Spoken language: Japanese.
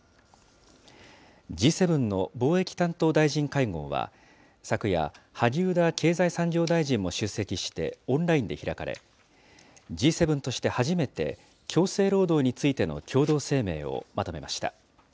Ｇ７の貿易担当大臣会合は、昨夜、萩生田経済産業大臣も出席してオンラインで開かれ、Ｇ７として初めて、強制労働についての共同声明をまとめました。